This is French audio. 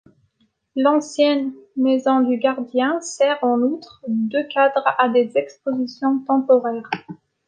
L'ancienne maison du gardien sert en outre de cadre à des expositions temporaires.